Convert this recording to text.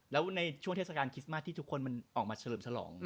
แล้วในช่วงเทศกาลคริสต์มาสที่ทุกคนมันออกมาเฉลิมฉลอง